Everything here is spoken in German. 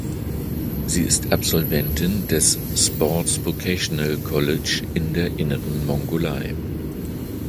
Sie ist Absolventin des "Sports Vocational College" in der Inneren Mongolei.